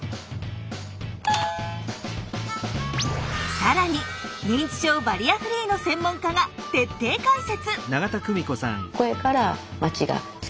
更に認知症バリアフリーの専門家が徹底解説！